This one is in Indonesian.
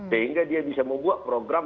sehingga dia bisa membuat program